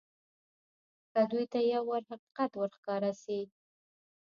که دوى ته يو وار حقيقت ورښکاره سي.